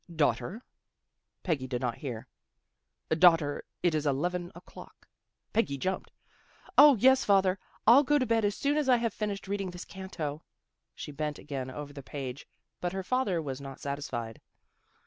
" Daughter." Peggy did not hear. " Daughter, it is eleven o'clock." Peggy jumped. " O, yes, father. I'll go to bed as soon as I have finished reading this canto." She bent again over the page, but her father was not satisfied.